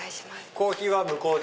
コーヒーは向こうで？